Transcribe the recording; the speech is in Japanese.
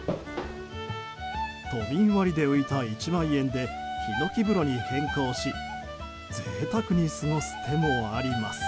都民割で浮いた１万円でヒノキ風呂に変更し贅沢に過ごす手もあります。